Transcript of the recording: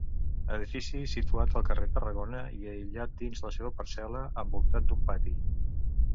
Edifici situat al carrer Tarragona i aïllat dins la seva parcel·la, envoltat d'un pati.